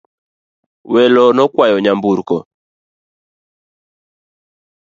Welo nokwayo nyamburko